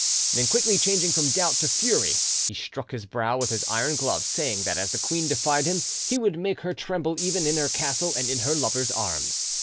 Then quickly changing from doubt to fury, he struck his brow with his iron glove, saying that as the queen defied him he would make her tremble even in her castle and in her lover's arms.